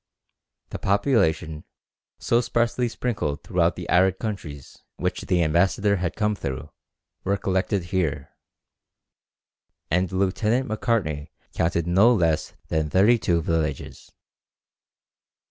The population, so sparsely sprinkled throughout the arid countries which the ambassador had come through, were collected here, and Lieut. Macartney counted no less than thirty two villages.